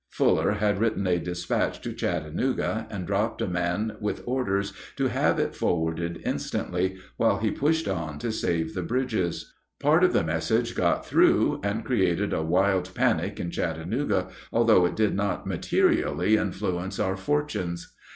Fuller had written a despatch to Chattanooga, and dropped a man with orders to have it forwarded instantly, while he pushed on to save the bridges. Part of the message got through and created a wild panic in Chattanooga, although it did not materially influence our fortunes.